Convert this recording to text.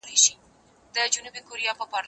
زه پرون مکتب ته ولاړم،